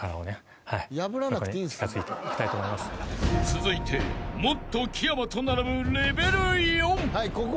［続いてもっと木山と並ぶレベル４］